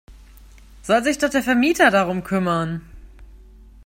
Soll sich doch der Vermieter darum kümmern!